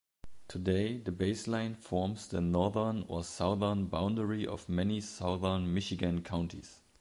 Today, the baseline forms the northern or southern boundary of many southern Michigan counties.